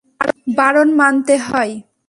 বারণ মানতে হয়।